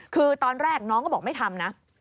คือตอนแรกน้องก็บอกไม่ทำนะ